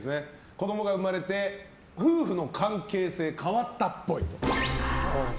子供が生まれて夫婦の関係性変わったっぽい。